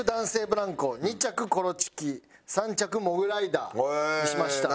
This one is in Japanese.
ブランコ２着コロチキ３着モグライダーにしました。